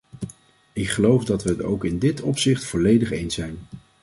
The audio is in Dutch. Ik geloof dat we het ook in dit opzicht volledig eens zijn.